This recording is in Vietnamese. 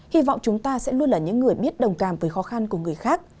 hy vọng chúng ta sẽ luôn là những người biết đồng cảm với khó khăn của người khác